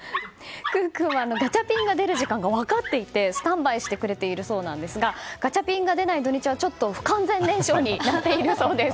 クゥ君はガチャピンが出る時間が分かっていてスタンバイしてくれているそうなんですがガチャピンが出ない土日はちょっと不完全燃焼になっているそうです。